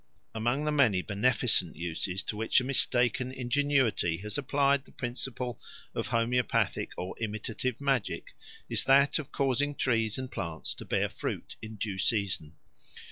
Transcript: Among the many beneficent uses to which a mistaken ingenuity has applied the principle of homoeopathic or imitative magic, is that of causing trees and plants to bear fruit in due season.